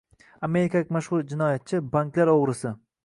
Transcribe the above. amerikalik mashxur jinoyatchi, banklar o‘g‘risi